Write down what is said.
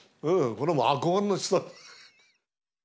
これはもう憧れの人だと。